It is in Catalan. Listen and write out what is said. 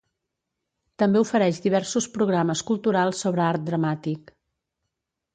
També ofereix diversos programes culturals sobre art dramàtic.